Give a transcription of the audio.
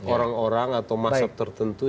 orang orang atau masyarakat tertentu